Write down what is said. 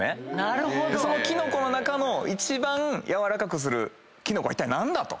そのキノコの中の一番やわらかくするキノコはいったい何だ？と。